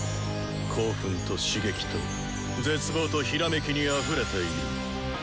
興奮と刺激と絶望とひらめきにあふれている。